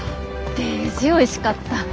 デージおいしかった。